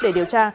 để điều tra